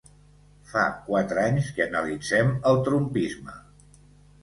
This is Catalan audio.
Fa quatre anys que analitzem el ‘Trumpisme’.